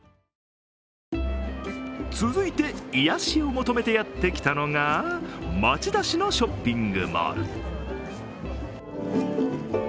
続いて、癒やしを求めてやってきたのが町田市のショッピングモール。